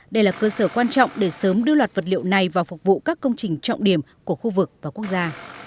đây là cơ sở quan trọng để sớm đưa loạt vật liệu này vào phục vụ các công trình trọng điểm của khu vực và quốc gia